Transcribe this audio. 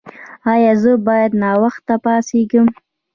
ایا زه باید ناوخته پاڅیږم؟